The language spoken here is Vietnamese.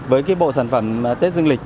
với cái bộ sản phẩm tết dương lịch